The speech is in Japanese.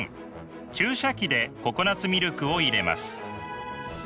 注射器でココナツミルクを入れます。